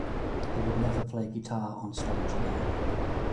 He would never play guitar on-stage again.